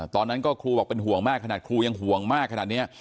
ตอนนั้นก็ครูบอกเป็นห่วงมากขนาดครูยังห่วงมากขนาดนี้